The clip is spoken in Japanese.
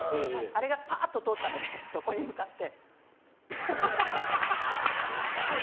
あれがパッと通ったのでそこに向かって。